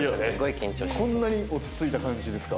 こんなに落ち着いた感じですか？